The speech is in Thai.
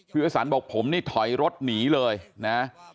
วิรสันบอกผมนี่ถอยรถหนีเลยนะ